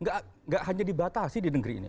nggak hanya dibatasi di negeri ini